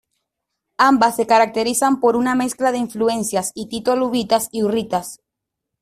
Ambas se caracterizan por una mezcla de influencias hitito-luvitas y hurritas.